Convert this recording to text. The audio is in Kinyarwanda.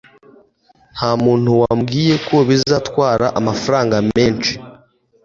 Nta muntu wambwiye ko bizatwara amafaranga menshi